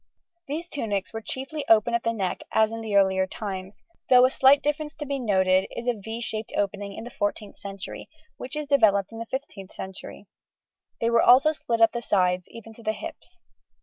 These tunics were chiefly open at the neck as in the earlier times, though a slight difference to be noted is a =V= shaped opening in the 14th century, which is developed in the 15th century; they were also split up the sides, even to the hips.